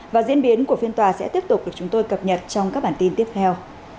và diễn biến của phiên tòa sẽ tiếp tục được chúng tôi cập nhật trong các bản tin tiếp theo